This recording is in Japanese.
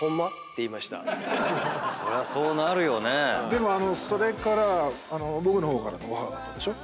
でもそれから僕の方からのオファーだったでしょ。